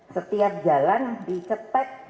setiap jalan diketek